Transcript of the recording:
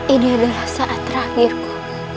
ini adalah saat terakhirku